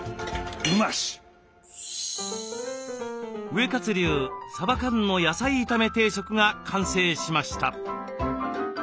ウエカツ流さば缶の野菜炒め定食が完成しました。